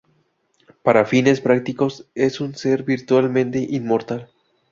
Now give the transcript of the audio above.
Para fines prácticos es un ser virtualmente inmortal.